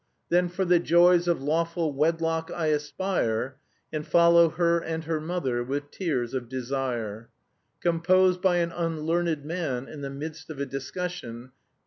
Then for the joys of lawful wedlock I aspire, And follow her and her mother with tears of desire. "Composed by an unlearned man in the midst of a discussion.